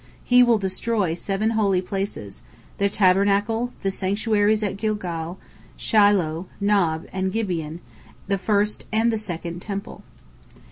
He will destroy seven holy places—the Tabernacle, the sanctuaries at Gilgal, Shiloh, Nob, and Gibeon, and the first and the second Temple."